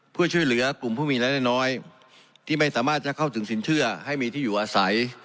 เพื่อช่วยเหลือกลุ่มผู้มีรายได้น้อยที่ไม่สามารถจะเข้าถึงสินเชื่อให้มีที่อยู่อาศัย